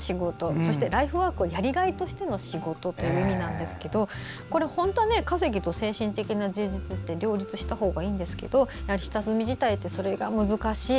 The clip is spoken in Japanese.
そしてライフワークはやりがいとしての仕事という意味なんですけど本当は稼ぎと精神的な充実って両立したほうがいいんですがやはり下積み時代はそれが難しい。